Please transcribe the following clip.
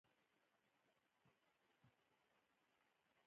زه د پخوانیو ښارونو جوړښت مطالعه کوم.